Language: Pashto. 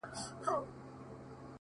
زما د ميني ليونيه. ستا خبر نه راځي.